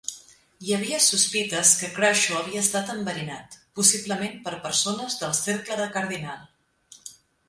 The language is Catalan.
Hi havia sospites que Crashaw havia estat enverinat, possiblement per persones del cercle de Cardinal.